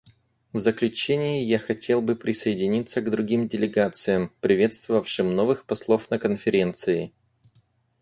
В заключение я хотел бы присоединиться к другим делегациям, приветствовавшим новых послов на Конференции.